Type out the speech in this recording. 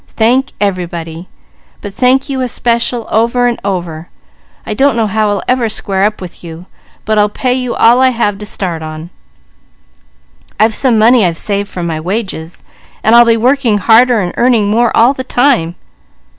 "Thank everybody. But thank you especial, over and over. I don't know how I'll ever square up with you, but I'll pay you all I have to start on. I've some money I've saved from my wages, and I'll be working harder and earning more all the time."